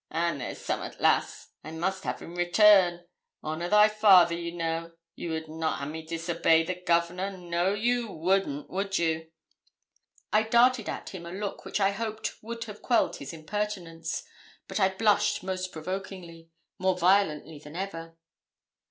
'And there's some'at, lass, I must have in return. Honour thy father, you know; you would not ha' me disobey the Governor? No, you wouldn't would ye?' I darted at him a look which I hoped would have quelled his impertinence; but I blushed most provokingly more violently than ever.